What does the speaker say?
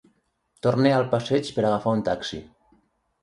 Torne al passeig per agafar un taxi.